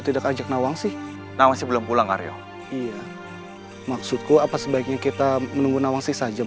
tidak ada yang perlu kamu sampaikan